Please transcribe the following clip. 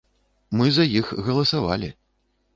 Мы за іх галасавалі.